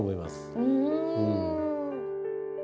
うん。